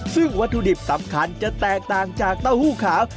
ซึ่งวัตถุดิบสำคัญจะแตกต่างจากเต้าหู้ขาว